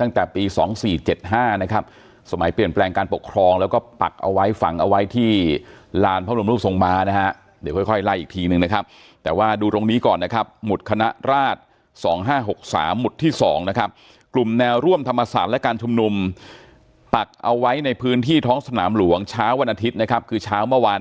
ตั้งแต่ปีสองสี่เจ็ดห้านะครับสมัยเปลี่ยนแปลงการปกครองแล้วก็ปักเอาไว้ฝั่งเอาไว้ที่ลานพระบรมรูปทรงมานะฮะเดี๋ยวค่อยค่อยไล่อีกทีนึงนะครับแต่ว่าดูตรงนี้ก่อนนะครับหมุดคณะราชสองห้าหกสามหมุดที่สองนะครับกลุ่มแนวร่วมธรรมศาสตร์และการชุมนุมปักเอาไว้ในพื้นที่ท้องสนามหลวงเช้า